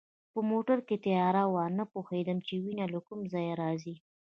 په موټر کې تیاره وه، نه پوهېدم چي وینه له کومه ځایه راځي.